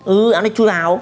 ừ áo này chui vào